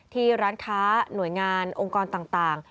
ที่ร้านค้าหน่วยงานองค์กรต่าง